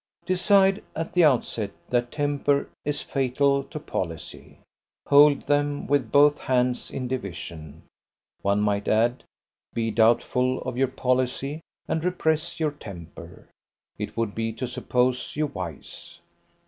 Decide at the outset, that temper is fatal to policy: hold them with both hands in division. One might add, be doubtful of your policy and repress your temper: it would be to suppose you wise.